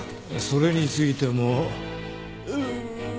それについてもうう。